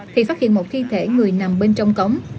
thì phát hiện một thi thể người nằm bên trong cống